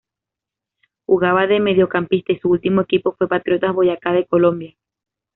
Jugaba de mediocampista y su ultimo equipo fue Patriotas Boyacá de Colombia.